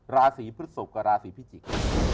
ราศีพฤศพกับราศีพิจิกษ์